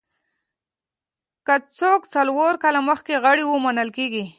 که څوک څلور کاله مخکې غړي وو منل کېږي.